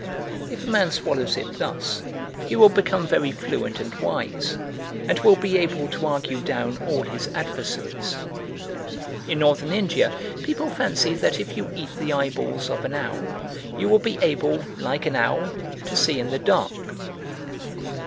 If a man swallows it thus, he will become very fluent and wise, and will be able to argue down all his adversaries. In Northern India people fancy that if you eat the eyeballs of an owl you will be able like an owl to see in the dark.